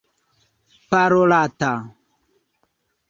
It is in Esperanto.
parolata